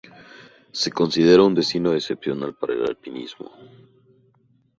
Se considera un destino excepcional para el alpinismo.